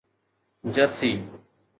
Jersey